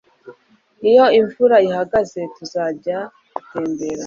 Iyo imvura ihagaze tuzajya gutembera